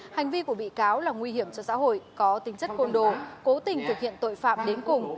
hành vi của bị cáo là nguy hiểm cho xã hội có tính chất côn đồ cố tình thực hiện tội phạm đến cùng